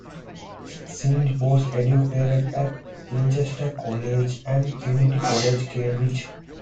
Synge was educated at Winchester College and Trinity College, Cambridge.